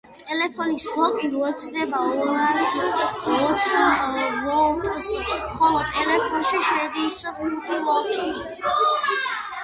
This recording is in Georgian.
ტელეფონის ბლოკი უერთდება ორას ოც ვოლტს, ხოლო ტელეფონში შედის ხუთი ვოლტი.